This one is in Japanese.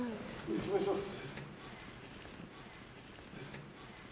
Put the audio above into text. お願いします。